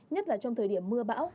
nhất là trong thời điểm mưa bão